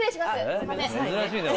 すいません。